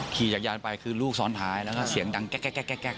ขี่จักรยานไปคือลูกซ้อนท้ายแล้วก็เสียงดังแก๊ก